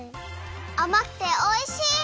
あまくておいしい！